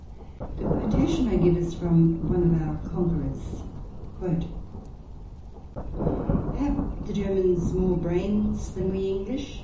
The quotation I give is from '* One of our Conquerors." " Have the Germans more brains than we English